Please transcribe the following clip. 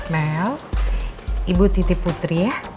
mel ibu titi putri ya